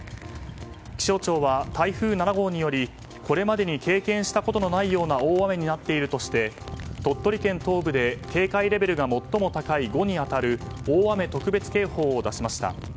気象庁は台風７号によりこれまでに経験したことのないような大雨になっているとして鳥取県東部で警戒レベルが最も高い５に当たる大雨特別警報を出しました。